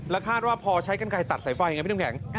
แล้วคาดว่าพอใช้กั้นไกลตัดสายไฟพี่นุ่มแข็ง